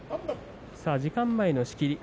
時間前の仕切り。